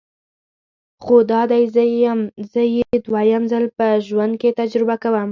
خو دادی زه یې دویم ځل په ژوند کې تجربه کوم.